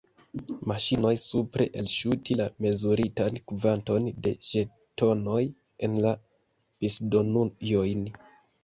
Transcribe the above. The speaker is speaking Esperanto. Maŝinoj supre elŝutis la mezuritan kvanton da ĵetonoj en la disdonujojn.